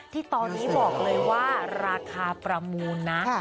ที่ตอนนี้บอกเลยว่าราคาประมูลนะ